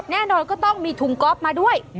แน่นอนก็ต้องมีถุงก๊อฟมาด้วย